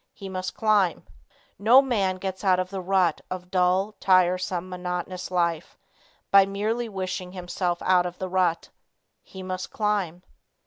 He must climb. No man gets out of the rut of dull, tiresome, monotonous life by merely wishing himself out of the rut. He must climb.